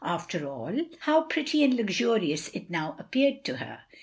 After all, how pretty and luxurious it now appeared to her.